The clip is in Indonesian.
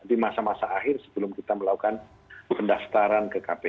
jadi masa masa akhir sebelum kita melakukan pendaftaran ke kpu